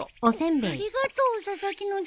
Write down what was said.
ありがとう佐々木のじいさん。